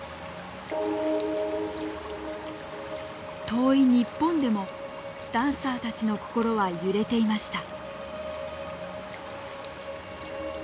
遠い日本でもダンサーたちの心は揺れていました。